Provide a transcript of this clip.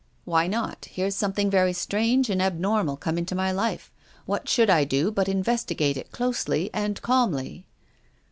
" Why not ? Here's something very strange and abnormal come into my life. What should I do but investigate it closely and calmly